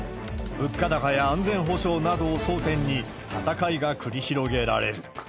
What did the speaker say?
物価高や安全保障などを争点に、戦いが繰り広げられる。